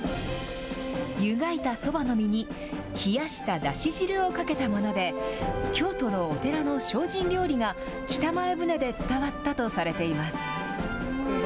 湯がいたそばの実に冷やしただし汁をかけたもので、京都のお寺の精進料理が、北前船で伝わったとされています。